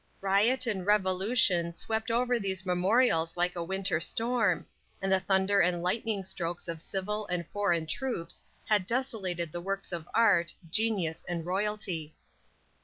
Riot and revolution swept over these memorials like a winter storm, and the thunder and lightning strokes of civil and foreign troops had desolated the works of art, genius and royalty.